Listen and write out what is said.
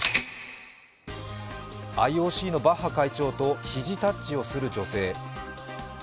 ＩＯＣのバッハ会長と肘タッチをする女性。